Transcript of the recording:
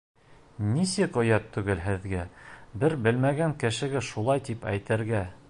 — Нисек оят түгел һеҙгә, бер белмәгән кешегә шулай тип әйтергә?